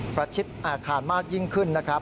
ประชิดอาคารมากยิ่งขึ้นนะครับ